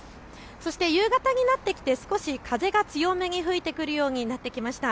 そして夕方になってきて少し風が強めに吹いてくるようになってきました。